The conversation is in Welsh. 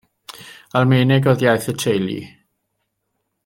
Almaeneg oedd iaith y teulu.